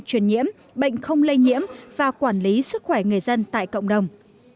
truyền nhiễm bệnh không lây nhiễm và quản lý sức khỏe người dân tại cộng đồng